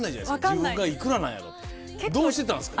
自分が幾らなんやろうってどうしてたんすか？